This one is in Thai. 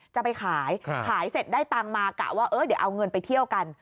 จะไปขายขายเสร็จได้ตังค์มากะว่าเดี๋ยวเอาเงินไปเที่ยวกัน